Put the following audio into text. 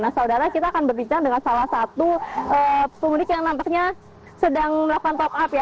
nah saudara kita akan berbincang dengan salah satu pemudik yang nampaknya sedang melakukan top up ya